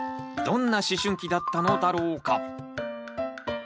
どんな思春期だったのだろうか。